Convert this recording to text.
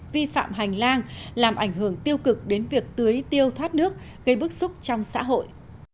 vi phạm hành lang làm ảnh hưởng tiêu cực đến việc tưới tiêu thoát nước gây bức xúc trong xã hội